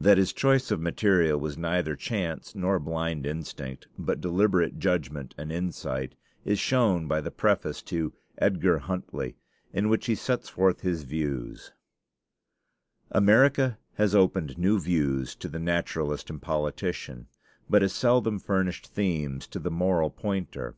That his choice of material was neither chance nor blind instinct, but deliberate judgment and insight, is shown by the preface to 'Edgar Huntly,' in which he sets forth his views: "America has opened new views to the naturalist and politician, but has seldom furnished themes to the moral pointer.